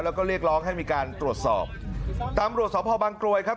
เราก็เรียกรองให้มีการตรวจสอบตามรูปสาวพบังกลวยครับ